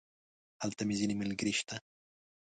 هلته مې ځينې ملګري شته.